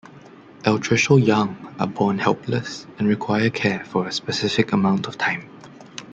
Altricial young are born helpless and require care for a specific amount of time.